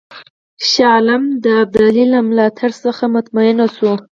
شاه عالم د ابدالي له ملاتړ څخه مطمئن شو.